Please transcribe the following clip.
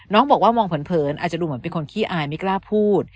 น้องบอกว่ามองเผินอาจจะดูเหมือนเป็นคนขี้อายไม่กล้าพูด